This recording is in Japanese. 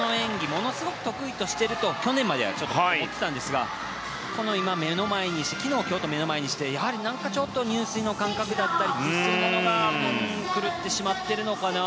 ものすごく得意としていると去年までは思っていたんですが昨日、今日と目の前にしてやはり何かちょっと入水の感覚だったりするものが狂ってしまっているのかな。